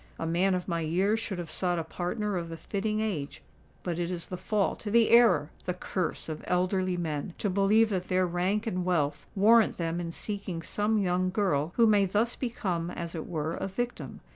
A man of my years should have sought a partner of a fitting age; but it is the fault—the error—the curse of elderly men to believe that their rank and wealth warrant them in seeking some young girl who may thus become as it were a victim.